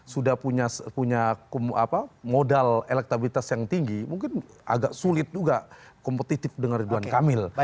sudah punya modal elektabilitas yang tinggi mungkin agak sulit juga kompetitif dengan ridwan kamil